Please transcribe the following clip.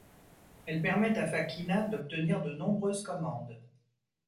Elle permet à Facchina d'obtenir de nombreuses commandes.